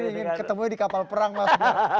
saya ingin ketemu di kapal perang mas